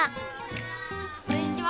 こんにちは。